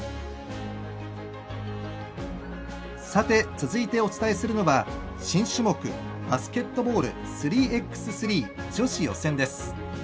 続いてお伝えするのは新種目バスケットボール３ｘ３女子予選です。